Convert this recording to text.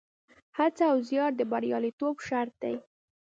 هڅه او زیار د بریالیتوب شرط دی.